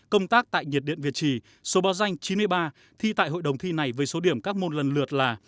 công tác tại nhiệt điện việt trì số báo danh chín mươi ba thi tại hội đồng thi này với số điểm các môn lần lượt là